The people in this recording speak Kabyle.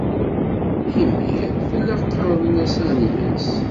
Imir tella qqaren-as Agnes.